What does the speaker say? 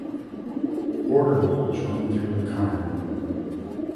Border walls run through the cairn.